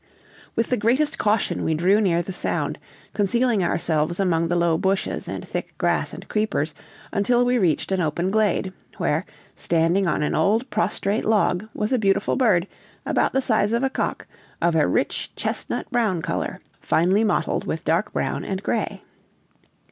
With the greatest caution we drew near the sound, concealing ourselves among the low bushes and thick grass and creepers, until we reached an open glade; where, standing on an old prostrate log, was a beautiful bird, about the size of a cock, of a rich chestnut brown color, finely mottled with dark brown and gray.